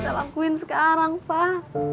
saya harus lakuin sekarang pak